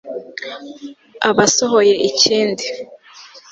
aba asohoye ikindi